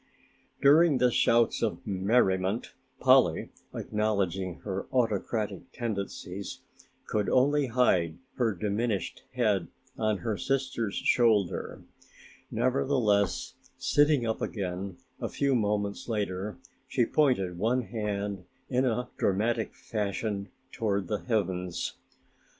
During the shouts of merriment, Polly, acknowledging her autocratic tendencies, could only hide her diminished head on her sister's shoulder; nevertheless, sitting up again a few moments later she pointed one hand in a dramatic fashion toward the heavens.